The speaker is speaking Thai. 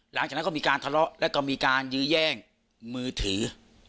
หลังจากนั้นก็มีการทะเลาะแล้วก็มีการยื้อแย่งมือถือ